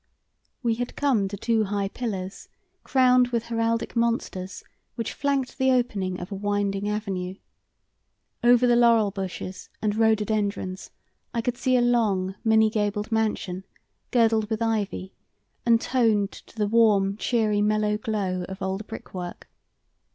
We had come to two high pillars crowned with heraldic monsters which flanked the opening of a winding avenue. Over the laurel bushes and rhododendrons, I could see a long, many gabled mansion, girdled with ivy, and toned to the warm, cheery, mellow glow of old brick work.